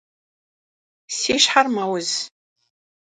Si şher meuz.